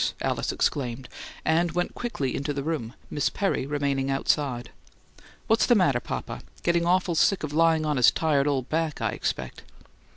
Alice exclaimed, and went quickly into the room, Miss Perry remaining outside. "What's the matter, papa? Getting awful sick of lying on his tired old back, I expect."